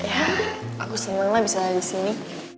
ya aku senang lah bisa lagi disini